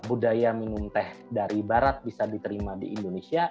budaya minum teh dari barat bisa diterima di indonesia